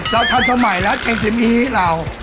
เราทันสมัยแล้วเจนซิมอีเรา